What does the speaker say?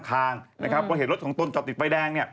เพราะเห็นรถของตนจอดติดไฟแดง